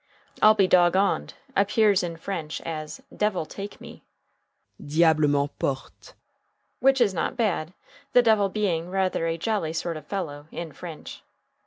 "I'll be dog on'd" appears in French as "devil take me" ("diable m'emporte"), which is not bad; the devil being rather a jolly sort of fellow, in French.